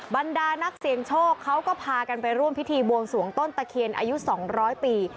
บรรดานักเสี่ยงโชคเขาก็พากันไปร่วมพิธีบวงสวงต้นตะเคียนอายุ๒๐๐ปี